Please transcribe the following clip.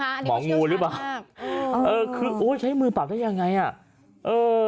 หมองงูหรือเปล่าใช้มือปรับได้ยังไง